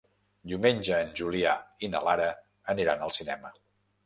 Diumenge en Julià i na Lara aniran al cinema.